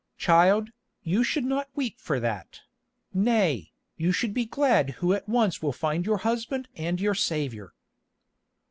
"Child, you should not weep for that; nay, you should be glad who at once will find your husband and your Saviour."